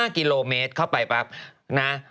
๕กิโลเมตรเข้าไปปั๊บนะ